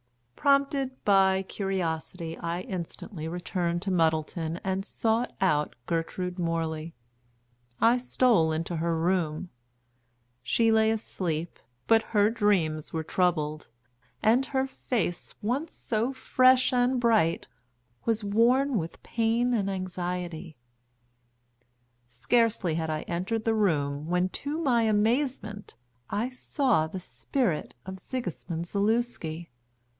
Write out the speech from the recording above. Prompted by curiosity, I instantly returned to Muddleton and sought out Gertrude Morley. I stole into her room. She lay asleep, but her dreams were troubled, and her face, once so fresh and bright, was worn with pain and anxiety. Scarcely had I entered the room when, to my amazement, I saw the spirit of Sigismund Zaluski.